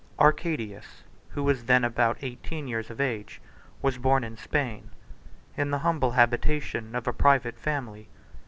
Arcadius, who was then about eighteen years of age, was born in Spain, in the humble habitation of a private family.